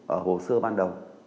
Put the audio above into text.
ở hồ sơ ban đầu